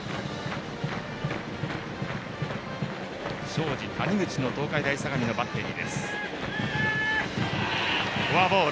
庄司、谷口の東海大相模のバッテリー。